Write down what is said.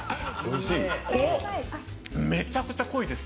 めちゃくちゃ濃いです。